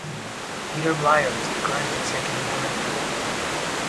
Peter Bleyer is the current Executive Director.